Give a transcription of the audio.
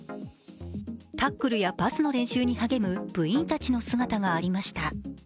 タックルやパスの練習に励む部員たちの姿がありました。